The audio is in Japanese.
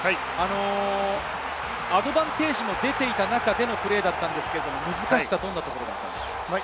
アドバンテージも出ていた中でのプレーだったんですけれど、難しさはどんなところでしょうか？